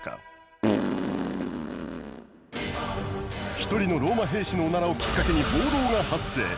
一人のローマ兵士のオナラをきっかけに暴動が発生。